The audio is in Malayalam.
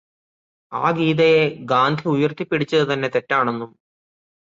ആ ഗീതയെ ഗാന്ധി ഉയര്ത്തിപ്പിടിച്ചത് തന്നെ തെറ്റാണെന്നും.